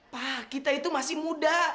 wah kita itu masih muda